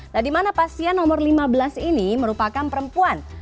nah dimana pasien nomor lima belas ini merupakan perempuan